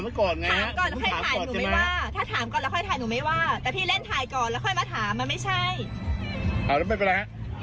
ไม่ต้องตื่นมีผู้นี้ไม่ต้องการหมด